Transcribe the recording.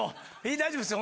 大丈夫ですよ